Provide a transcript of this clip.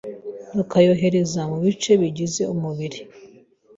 rukayohereza mu bice bigize umubiri.